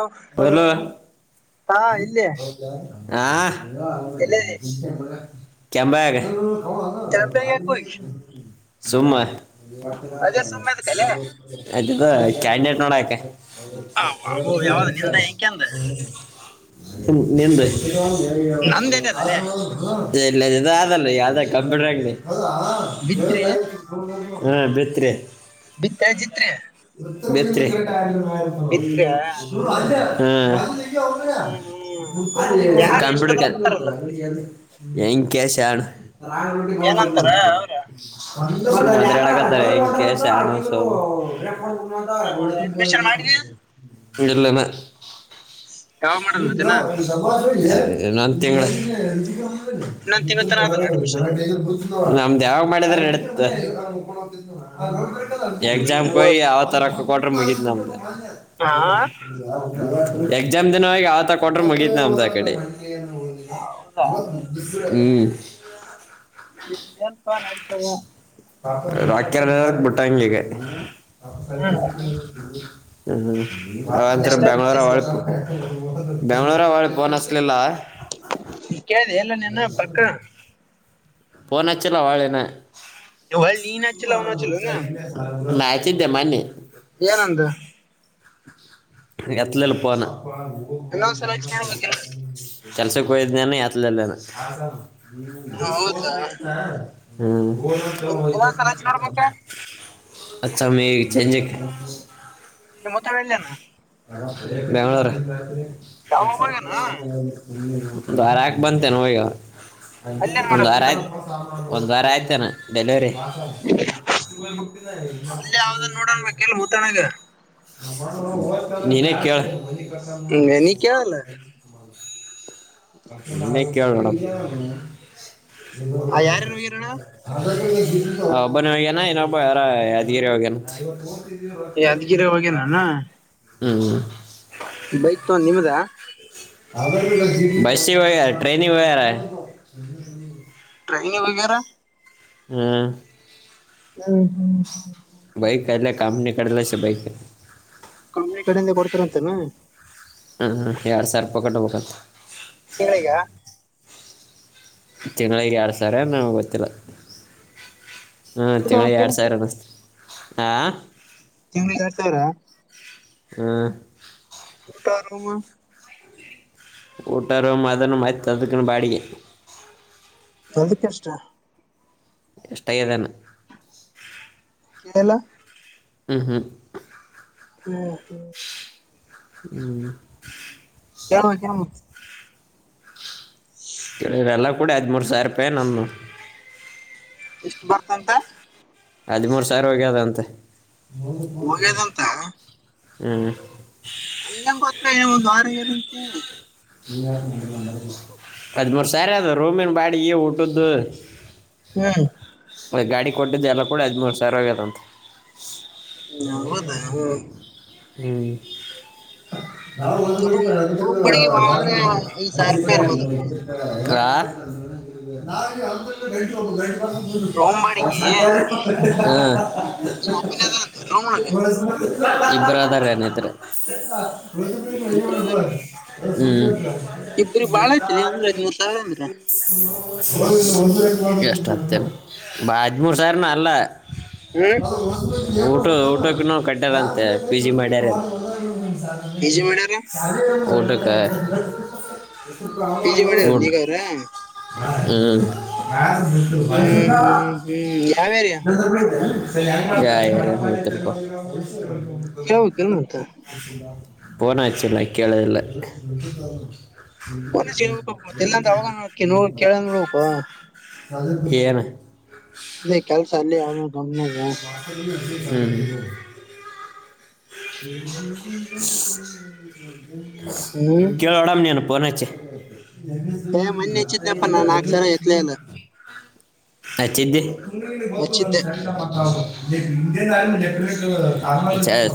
[unintelligible] ಹಾ ಇಲ್ಲಿ ಹಾ [unintelligible] ಎಲ್ಲಿ ತರಬ್ಯಾಗ ಯಾಕ ಹೋಗಿ ಸುಮ್ಮ ಅದೇ ಸುಮ್ಮನೆ ಅದಕಲೆ ಅದು ಕ್ಯಾಂಡೇಟ್ನೋಡಕೆ ಬಾಬು ಯಾವ್ದ ನಿಂದ ಹೆಂಕಂದ ನಿಂಧ್ ನಂದ ಎಲ್ಲಿ ಅದಲ್ಲೇ ಇಲ್ಲ ಇ ಆದಲ್ಲ ಯಾವ್ದ ಕಂಪ್ಯೂಟ್ರ ಅಂಗಡಿ ಬಿತ್ರಿ ಹಾ ಬಿತ್ರಿ ಬಿತ್ತ [unintelligible] ಬಿತ್ರಿ ಬಿತ್ರಿ ಹ್ಮ್ ಹ್ಮ್ ಹ್ಮ್ ಯಾರು ಕಂಪ್ಯೂಟರ್ ಎಷ್ಟೋದ್ರ ಕ ಕೂತಾರಲ್ಲ [unintelligible] ಕೆಷಣ ಏನಂತಾರ ಅವ್ರ [unintelligible] [unintelligible] ಅಡ್ಮಿಷನ್ ಮಾಡಿದಿ ಯಾವಾಗ ಮಾಡದ್ ಮತ್ತೇನ ನನ್ ತಿಂಗಗಳ [inaudible] ಇನ್ನೊಂದ್ ತಿಂಗಳತನ ಅದಲ್ಲ ಅಡ್ಮಿಷನ್ ನಮ್ದ್ ಯಾವ್ ಮಾಡಿದ್ರ ನಡತ್ ಎಕ್ಸಾಮ್ [unintelligible] ನಿಮ್ಮೂರ್ ಯಾವತ್ತು ರೊಕ್ಕ ಕೊಟ್ರೆ ಮುಗಿದ ನಮಗೆ ಹಾ ಎಕ್ಸಾಮ್ ದಿನವಾಗಿ ಯಾವತ್ತು ಕೊಟ್ರೆ ಮುಗೀತ್ನ ಅಮ್ದ್ ಆ ಕಡೆ ಹೌದಾ ಹ್ಮ್ ನಿಮ್ದೇನ್ ಪ ನಡಿತದೆ [unintelligible] ಬಿಟ್ಟ ಹಂಗಗೆ ಹ್ಮ್ ಹ್ಮ ಹ್ಮ್ ಹಾಂತರ ಎಷ್ಟ ಬೇಸ ಬಂಗಳೋರಾವ ಬಂಗಳೋರಾ ವರ್ಲ್ಡ್ ಫೋನ್ ಹಚ್ಲಿಲ್ಲ [unintelligible] ಎಲ್ಲ ನನ ಪಕ್ಕ ಫೋನ್ ಹಚ್ಚಿಲ್ಲ ಅವಳಿನ್ನ ಒಳ್ಳಿ ನೀನ್ ಹಚ್ಚಿಲ್ಲ ಅವ್ನು ಹಚ್ಚಿಲ್ಲನ ನನ್ನಚ್ಚಿದೆ ಮೊನ್ನಿ ಏನಂದು ಎತ್ಲಿಲ್ಲ ಫೋನ್ ಇನ್ನೊಂದ್ಸಲ ಹಚ್ಚಿ ನೋಡ್ಬೇಕಿಲ್ಲ ಕೆಲ್ಸಕ್ಕೆ ಹಯಿದ್ನೇನ ಯತ್ದಲ್ಲನ ಹೌದಾ ಹ್ಮ್ ಇನ್ನೊಂದ್ಸಲ ಹಚ್ಚಿ ನೋಡ್ಬೇಕ [unintelligible] ನಿ ಮತ್ತವೆ ಎಲ್ಲಯನ ಬೆಂಗಳೂರು ಯಾವಾಗ ಹೋಗ್ಯಾನ ಒಂದು ವರ ಹಾಕ ಬಂತೇ ನ ಈಗ ಅಲ್ಲಿ ಏನ್ ಒಂದು ಮಾಡಕ್ ಅರ ಕುಂತಾನ ಆಯ್ತು ಒಂದ್ ವಾರ ಆಯ್ತೇನ ಡೆಲಿವರಿ ಅಲ್ಲಿ ಯಾವ್ದನ್ ನೋಡನ್ಬೇಕಿಲ್ ಮುತ್ತಣಗ [unintelligible] ನೀನ ಕೇಳ್ ನೀ ಕೇಳಲ್ಲ ನೀನೇ ಕೇಳು ನೋಡು [inaudible] ಆ ಯಾರ್ಯಾರು ಹೋಗ್ಯಾರಣ ಒಬ್ಬನೇ ಹೋಗೋಣ ಇಲ್ಲ [unintelligible] ಯಾದಗಿರಿ ಹೋಗ್ಯಾನನ ಹ್ಮ್ ಬೈತು ನಿಮ್ದ ಬಸಿ ವ ಟ್ರೈನಿಗೋ ಗಾರೆ ಟ್ರೈನಿಗೋಗರ ಹ ಹ್ಮ್ ಹ್ಮ್ ಹ್ಮ ಬೈಕ್ ಎಲ್ಲ ಕಾಮ ನೀ ಕಳಲ ಬೈಕ [unintelligible] ಕಮ್ಮಿ ಕಡೆಯಿಂದೆ ಕೊಡ್ತಾರ ಅಂತನಾ ಹ್ಮ್ ಹ್ಮ್ಎರಡು ಸಾವಿರ ರೂಪಾಯಿ ಕಟ್ಬಕಂತೆ ತಿಂಗಳಿಗ ತಿಂಗಳಿಗೆ ಎಡ್ ಸರ ನಮ್ಗೆ ಗೊತ್ತಿಲ್ಲ ಹಾ ತಿಂಳ ಎರಡ್ ಸಾವಿರ ಅನ್ನಸ್ತ ಹ ತಿಂಗಳಿಗೆ ಎರಡ್ ಸಾವಿರ ಹ ಊಟಾ ರೂಮ ಊಟಾ ರೂಮ್ ಅದನ್ನು ಮ ಅದಕ್ಕ ಬಾಡಿಗೆ ಅದಕ್ಕೆಷ್ಟ ಎಷ್ಟಾಗದಾನ ಕೇಳಲ [unintelligible] ಹ್ಮ್ ಹ್ಮ್ ಹ್ಮ್ ಹ್ಮ್ ಹ್ಮ್ [unintelligible] ಕೂಡಿ ಹದಿಮೂರು ಸಾವಿರ ರೂಪಾಯಿ ನನ್ನು ಎಷ್ಟು ಬರ್ತಂತ ಹದಿಮೂರ್ ಸಾವಿರ ಹೋಗದಂತೆ ಹೋಗ್ಯದಂತ ಹ್ಮ್ ದಾರಿ ಏನಂತೆ ಹದ್ಮೂರು ಸಾರಿ ಅ ರೂಮಿನ್ ಬಾಡಿಗೆ ಊಟದ್ದು ಹ್ಮ್ ಗಾಡಿ ಕೊಟ್ಟಿದ್ದು ಎಲ್ಲ ಕೂಡ ಹದಿಮೂರು ಸಾವರ ಆಲ್ಲಂತೆ ಹೌದಾ ಹ್ಮ್ ರೂಮ್ ರೂಮ್ ಬಾಡಿಗೆ ಬಾಳ ಅಂದ್ರೆ ಐದ್ ಸಾವಿರ ರೂಪಾಯಿ ಇರ್ಬೋದಪ್ಪ [unintelligible] ಅ [unintelligible] [inaudible] ರೂಮ್ ಬಾಡಿಗೆ ನೀವ್ ಒಬ್ಬನೇ ಅದಂತೆ ರೂಮ್ ಒಳಗ ಇಬ್ಬರು ಅದಾರೆ ಅನತ್ರ ಇಬ್ರು ಹ್ಮ್ ಅದಾರ ಇಬ್ರಿಗೆ ಬಾಳ ಐತಿಲಿ ಅಂದ್ರ ಹದಿಮೂರ್ ಸಾವಿರ ಅಂದ್ರ ಎ [unintelligible] [inaudible] ಎಷ್ಟು ಹತ್ತ ಹದ್ಮೂರು ಸಾವಿರನ ಅಲ್ಲ ಹ್ಮ್ ಊಟ ಊಟಕ್ಕ ಕಟ್ಟಾರಂತೆ ಪಿ ಜಿ ಮಾಡ್ಯಾರ ಪಿ ಜಿ ಮಾಡ್ಯಾರ ಊಟಕ್ಕೆ ಪಿ ಜಿ ಮಾಡ್ಯಾರ ಹ ನೀಗ [unintelligible] ಅವ್ರ ಹ್ಮ್ ಹ್ಮ್ ಹ್ಮ್ ಯಾವ ಏರಿಯಾ ಜಯ ಮತ್ಪ್ಪ [inaudible] ಕೇಳ್ಬೇಕಲ್ ಮತ್ತ ಫೋನ್ ಹಚ್ಚಿಲ್ಲ ಕೇಳದಲ್ಲ ೇಳ್ ಮತ್ತೆ ಇಲ್ಲಂದ ಅವ ನೋ ಕೇಳ ನೋಡ್ಬೇಕು [inaudible] ಏನು ಅದೇ ಕೆಲ್ಸ ಅಲ್ಲಿ ಅವ ಮಾ [unintelligible] ಹ್ಮ್ ಕೆೇಳ ಹಳಾಮ ನನುಪ್ಪಣ ಹೆಚೆ [unintelligible] ಏ ಮೊನ್ನೆ ಹಚ್ಚಿದ್ನಪ್ಪ ನಾ ನಾಲ್ಕು ಸಲ ಎತ್ಲೇ ಇಲ್ಲ [inaudible] ಎ [inaudible] ಹಚ್ಚಿದ್ದೆ ಹಚ್ಚಿದ್ದೆ ಇ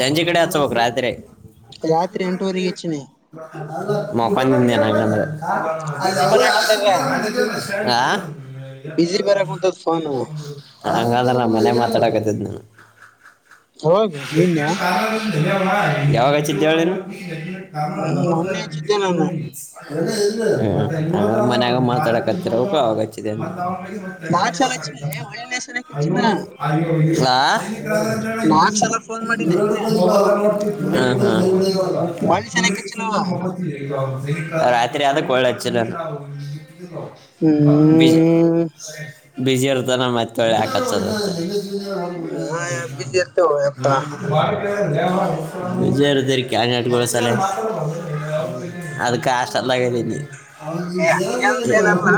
ಸಂಜೆ ಕಡೆ ಆ ಬ ರಾತ್ರಿ [unintelligible] ರಾತ್ರಿ ಎಂಟುವರೆಗೆ ಇಚ್ಚಿರಿ ಮಪ್ಪ ನಿ ಹಂದ ಬಿಜಿ ಬರಾಕ್ ಕುಂತದ ಬಿಜಿ ಬರಾಕ್ ಕುಂತದ ಫೋನ್ ಆ ಹಂಗದಲ್ಲ ಮ [unintelligible] ನಾನು ಅವಾಗ ನಿನ್ನೆ ಯಾವಾಗಚಿದ್ದಳೇನು ಹ್ಮ್, ಮೊನ್ನೆ ಹಚ್ಚಿದ್ದೆ ನಾನು ಅದು ಹ್ಮ ಮನ್ಯಾಗ ಮಾತಾಡಕತ್ತರಪ ಅವಾಗಚ್ಚಿದೆ ನಾಲ್ಕು ಸಲ ಹಚ್ಚಿಲ್ಲ ಅಂತ ಒಳ್ಳೆ ಸಲಕ್ಕೆ ಐವ ಹಚ್ಚಿಲ್ಲ ಹಾ ಹಾ ಹಾ ನಾಲ್ಕು ಸಲ ಫೋನ್ ಮಾಡಿನಿ ನಿನ್ನೆ ಒಳ್ಳೆ ಸಲಕ್ಕೆ ಹಚ್ಚಿಲ್ಲವ [inaudible] ರಾತ್ರಿ ಆದದ ಕಯಳಲ್ಲಜ ಹ್ಮ್ ಬಿಸಿ ಇರ್ತಾನ ಮತ್ತಳಿ ಹಾಕತ್ತದ [inaudible] ಬಿಜಿ ಇರ್ತೇವ ಯಪ್ಪ ವಿಜಯರುದರಿ ಕ ನಟ್ಕಳ ಸಾಲ ಅದಕ್ಕೆ ಕಷ್ಟನಿ ಏ ಹಂಗಂತ ಏನಲ್ಲ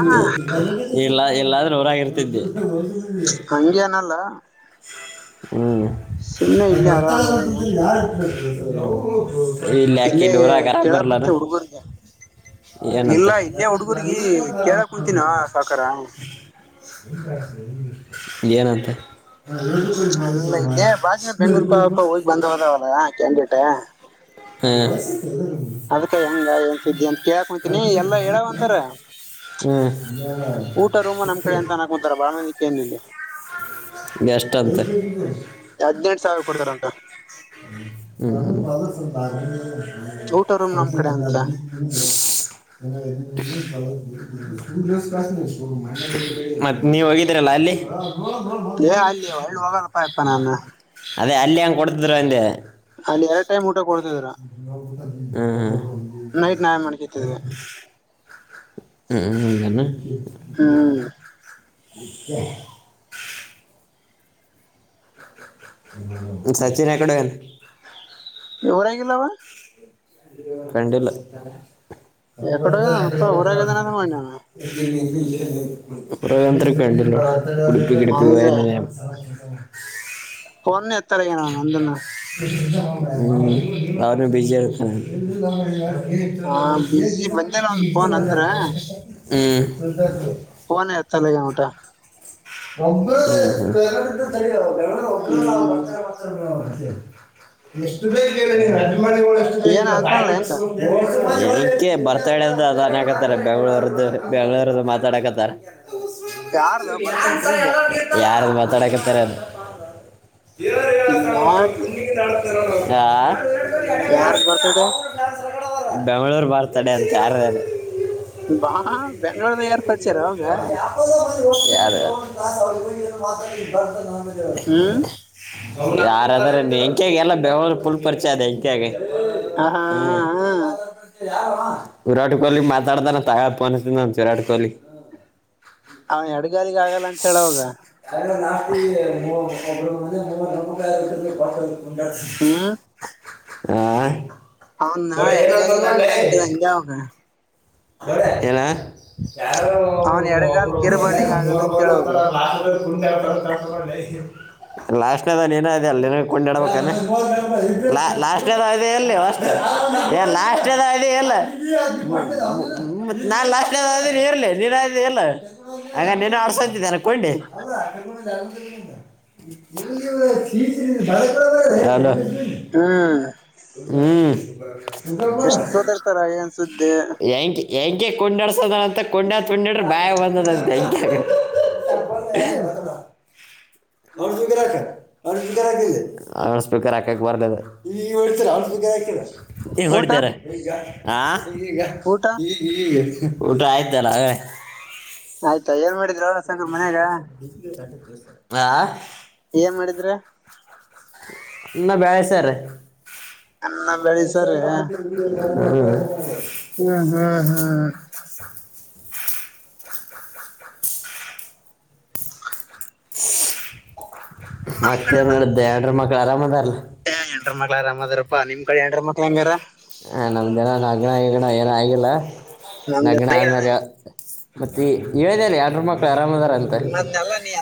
ಎಲ್ಲ ಎಲ್ಲಾದ ಹೊರಾಗಿರ್ತಿದ್ದೆ ಹಂಗೇನಲ್ಲ ಹ್ಮ್ ಸುಮ್ನೆ ಇಲ್ಲೇ ಆರಾಮ್ ಅದೇನೆ ಇಲ್ಲಕ್ಕಿ ಇಲ್ಲೇ ನೂರ ಆ ಕೇಳಕ್ ಕರರಲ್ಲದು ಕುಂತೆ ಹುಡುಗರ್ಗೆ ಇನಂತ ಇಲ್ಲ ಇಲ್ಲೇ ಹುಡ್ಗರ್ಗಿ ಕೇಳಕ್ ಕುಂತೀನ ಸಾವಕಾರ ಏನಂತೆ ಅಲ್ಲ ಇಲ್ಲೇ ಭಾಷಣ ಬೆಂಗ್ಳೂರ್ಕಕ ಹೋಗಿ ಬಂದ ಹದಾವಲ್ಲ ಕ್ಯಾಂಡಟ ಹ್ಮ ಅದ್ಕ ಹೆಂಗ ಏನ್ ಸುದ್ದಿ ಅಂತ ಕೇಳಕ್ ಕುಂತೀನಿ ಎಲ್ಲಾ ಹೇಳಾವಂತಾರ ಹ್ಮ್ ಊಟ ರೂಮ ನಮ್ ಕಡೆ ಹ್ಮ್ ಅಂತಾಕ ಕುಂತಾರ ಬಾಳ್ಮನಿಕನ ಇಲ್ಲಿ ಗಸ್ಟ್ ಅಂತ ಹದ್ನೆಂಟು ಸಾವಿರ ಕೊಡ್ತಾರಂತ ಹ [inaudible] ಊಟ ರೂಮ್ ನಮ್ ಕಡೆ ಅಂತ ಮತ್ತೆ ನೀವ ಹೋಗಿದ್ದೀರಲ್ಲ ಅಲ್ಲಿ ಏ ಅಲ್ಲಿ ಒಳ್ಳೆ ಹೋಗಲ್ಲಪ್ಪ ಯಪ್ಪ ನಾನು ಅದೇ ಅಲ್ಲಿ ಹೆಂಗಗೆ ಕೊಡ್ತಿದ್ರು ಹಂದೆ ಅಲ್ಲಿ ಎರಡು ಟಮ್ ಊಟ ಕೊಡ್ ನೈಟ್ ನಾವೇ ಹಾ ಮಾಡ್ಕತಿದ್ವಿ ಹ್ಮ್ ಹ್ಮ್ ಹ ಸಚಿನ್ ಎಕಡೆನು ಎವರಂಗಿಲ್ಲವಾ ಕಂಡಿಲ್ಲ ಹ ಯಕಡೆ ನಳ ಹೋಗ್ಯಾನಪ್ಪ ಊರಾಗದಾನ ಅಂತ ಮಾಡಿನ ಪ್ರಯಂತ್ರಿಕ ಹ್ಯಾಂಡಲ್ ಕುಡುಪ ಹೌದ ಕಿಡುಪಿನ ನ್ ಒಣ ಎತ್ತರಗಣ ನಂದನ ಹ್ಮ್ ಅವಮ ಬಿಜಿಯ ಹ್ಮ್ ಹಾ ಬಿಜಿ ಬಂದೇನ ಒಂದ್ ಫೋನ್ ಅಂದ್ರ ಪನ ಅತಲ್ಲಗ ಮಊಟಾ ಒಂಬ ಸರಿ ಒರ್ರ್ ಹ್ಮ್ ಎಷ್ಟು ಬೇಕ ಹೇಳ ನೀ ಅಜಮಾನಿಗಳು ಎಷ್ಟು ಬೇಕ ಏನ ಹೇಳ ಅಂತಲ್ಲ ಹೆಂಗ ತಾಯಿಟ್ಟಿಸ ಕ ಬರ್ತಾಡ್ಯದಾನ ಹಾಕತ್ತಾರೆ ಬೆಂಗಳೂರ್ ಬೆಂಗಳೂರ್ ಮಾತಾಡಕತ್ತಾರ ಯಾರದ ಯಾರ ಮಾತಾಡಕತಾರ ಅದು ಯಾರ್ದ [unintelligible] ಯಾರದು ಬರ್ತಡೇ ಬೆಂಗಳೂರು ಬಾರ್ತಡೆ ಅದಕ್ಕೆ ಯಾರ ಅ ಬಾ ಬೆಂಗ್ಳೋರುದ ಯಾರು ಪರ್ಚೆ ರೋಗ [inaudible] ಹ್ಮ್ ಯಾರಾದ್ರ ಎಂಕ್ಯಾಗ ಎಲ್ಲ ಬೆವರು ಪರಿಚಯ ಅದ ಹೆಂಕ್ಯಾಗೆ ಹ ಹಾ ಹ್ಮ ವಿರಾಟ್ ಕೊಹ್ಲಿ ಮಾತಾಡ್ತಾರ ತಯಪನತ ವಿರಾಟ್ ಕೊಹ್ಲಿ ಅವ ಎಡಗಾಲಿಗೆ ಆಗಲ್ಲ ಅಂತ ಹೇಳವಾಗ ಅಲ್ಲ ನಾವ ನಮಾಯಟ್ಟ ಆ ಅವನ್ಾ ನೋಡಿ ಏನಂತ ಎಡ್ಗಾರಿಗ ಆಗಲ್ಲ ನೋಡ್ಲೆ ಅಂತೇಳ ಹಂಗಗೆ ಅವಾಗ ಏನ ಯಾರ ಅವನ್ ಎಡಗಾಲ್ ಕಿರುಬಾಳಿಗ ಮ ಆಗಲ್ಲ ಅಂತ ಹೇಳ ಅವಾಗ [inaudible] ಲಾಸ್ಟ್ೇದ ನೀನ ಅದೆ ಅಲ್ಲಿ ಕೊಂಡಿಡ್ಬೇಕಾನೆಾ ಲಾಸ್ಟ್ನದದೆ ಎಲ್ಲಿ ಅ ಏ ಲಾಷ್ಟೇದ ಇ ಇಲ್ಲ ಹ್ಮ ನಾನ್ ಲಾಸ್ಟ್ ಆದ ಇರ್ಲಿ ನೀರ ಎಲ್ಲ ಹಂಗ ನಿನ್ನ ಆಡ್ಸಂತಿದ್ದೇನೆ ಕೊಂಡಿ [inaudible] ಹ್ಮ್ ಎಷ್ಟ್ ಸೋದರ್ತಾರ ಏನ್ ಹ್ಮ್ ಸುದ್ದಿ ಹೆಂಗೆ ಹೆಂಗೆ ಕೊಂಡಾಡ್ಸೋದ ಮತ್ತ ಕೊಂಡತ್ ಕೊಂಡಡ್ರ ಬಾಯ ಬಂದದಂತೆ [inaudible] ಾ ಹಾರ್ ಹಾಕಕ್ ಬರ್ಲ ಈಗ ಹಾಕ ಈಗ ಊಟ ಹೊಡ್ತಾರ ಹ ಊಟ ಊಟ್ರ ಆಯ್ತಲ್ಲ ಆಯ್ತಾ ಏನ್ ಮಾಡ ಹಾ ಏನ್ ಮಾಡಿದ್ರ ನ ಬ್ಯಾಳೆಸರ ಅನ್ನ ಬೆಳಿಸಾರೆ ಹ್ಮ್ ಹ್ಮ್ ಹ್ಮ್ [inaudible] ನಮ್ ಕಡೆ ಮತ್ತೇನು ನಡೆದ ಹೆಣ್ರ ಮಕ್ಳು ಆರಾಮದಾರಲ್ಲ ಏ ಎನ್ ಮಳದ್ರ ಅಾ ನಿಮ್ ಕಳ ಯಂಡಾರರ ಮಕ್ಳ ಹೆಂಗಾರ ಹ ನಮ್ದ ಜನ ನಗ್ನ ಆಡ ಏನ ಆಾಗಿಿಲ್ಲ ನಮ್ದ ನಗ್ನ ಆದ್ಮರಿ ಮತ್ತೆ ಹೇಳ ಅಲ್ಲಿ ಆರ್ಡ್ರ ಮಕ್ಳು ಆರಾಮದ ಮ್ ಅಲ್ಲ ನೀನ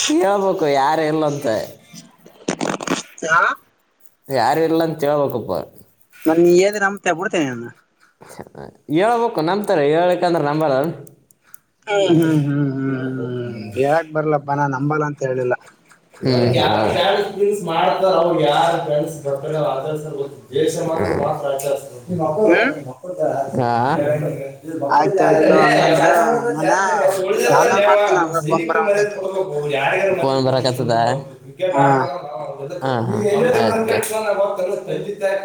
ಕೇಳ್ಬೇಕು ಯಾರ ಎಲ್ಲಂತ ಚ ಯಾರು ಇಲ್ಲ ತೇಕಪ್ಪಾರೆ ನ ನೀ ನಮ ತ ಬಡ್ತೇನೆ ಹೇಳ್ಬೇಕು ನಂಬ್ತಾರೆ ಹೇಳ್ಬೇಕಂದ್ರೆ ನಂಬಾರಲ್ ಹ್ಮ್ ಹ್ಮ್ ಹ್ಮ್ ಹ್ಮ್ ಹ್ಮ್್ಮ ಹೇಳಕ್ ಬರ್ಲಪ್ಪ ನಾನ್ ನಂಬಲ್ಲ ಅಂತ ಹೇಳಿಲ್ಲ ಮಾಡ್ತಾರ ಅವ ಯ ಂಡ್ರ್ತ ಹ್ಮ್ ಹಾ ಆಯ್ತಾಯ್ತು ಹಂಗಂದ್ರ ನಾನ ಆಮೇಲ್ ಮಾಡ್ತೀನಿ ನಂಗ ಫೋನ್ ಸೈನ ಮ ಬರವಂತೈತಿ ಕನ್ ಬರ ಕತದ ಹಾ ಹ